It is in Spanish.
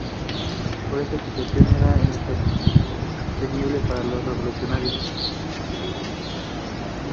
Pero esa situación era insostenible para los revolucionarios.